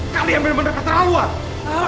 kalian benar benar keterlaluan